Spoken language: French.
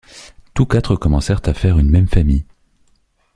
Tous quatre commencèrent à faire une même famille.